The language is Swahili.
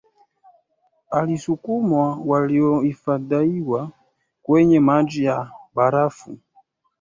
alisukuma waliohifadhiwa kwenye maji ya barafu